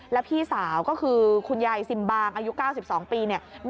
แล้วพี่สาวก็คือคุณยายซิมบางอายุ๙๒ปีเนี่ย